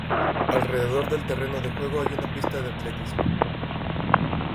Alrededor del terreno de juego hay una pista de atletismo.